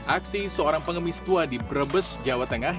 aksi seorang pengemis tua di brebes jawa tengah